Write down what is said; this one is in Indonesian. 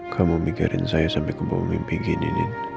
kamu mikirin saya sampai kamu mimpi gini